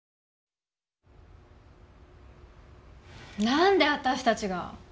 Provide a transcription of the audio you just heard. なんで私たちが？